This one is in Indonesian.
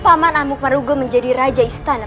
pak mana mukbarubu menjadi raja istana pajacaran